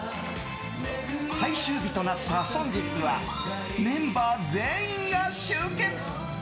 最終日となった本日はメンバー全員が集結。